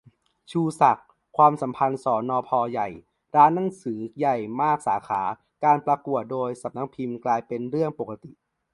ชูศักดิ์ : ความสัมพันธ์ สนพ.ใหญ่-ร้านหนังสือใหญ่มากสาขา-การประกวดโดยสนพ กลายเป็นเรื่องปกติ